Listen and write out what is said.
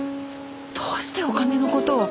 どうしてお金の事を？